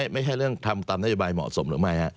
ไม่ใช่เรื่องทำตามนโยบายเหมาะสมหรือไม่